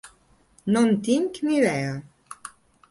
No en tinc ni dea.